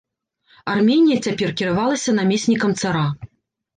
Арменія цяпер кіравалася намеснікам цара.